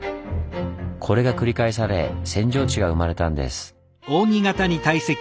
これが繰り返され扇状地が生まれたんです。